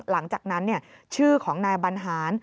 หลังจากนั้นชื่อของนายบรรหาร